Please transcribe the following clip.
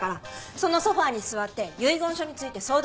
そのソファに座って遺言書について相談してました。